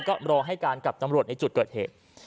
ก็รอให้การกับตำรวจในจุดเกิดเหตุ